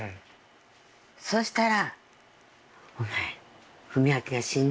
そしたら。